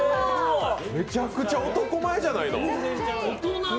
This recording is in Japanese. めちゃくちゃ男前じゃないの。